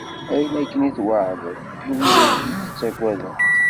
Ayen akken i tweɛdeḍ i wid i k-ittaggaden.